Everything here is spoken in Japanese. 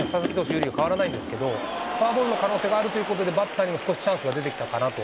有利は変わらないんですけど、フォアボールの可能性もあるということで、バッターに少しチャンスが出てきたかなと。